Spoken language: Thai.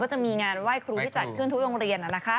ก็จะมีงานว่ายครูที่จัดเพื่อนทุกโรงเรียนนั่นนะคะ